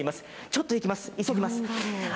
ちょっと行きます、急ぎます。